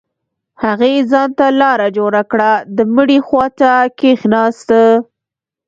هغې ځان ته لاره جوړه كړه د مړي خوا ته كښېناسته.